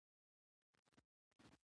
چې ماشوم وم سومره شه وو نه مې غم وو نه جانان.